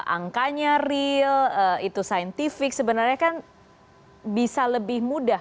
angkanya real itu saintifik sebenarnya kan bisa lebih mudah